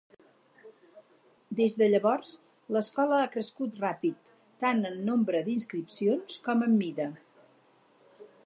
Des de llavors, l'escola ha crescut ràpid, tant en nombre d'inscripcions com en mida.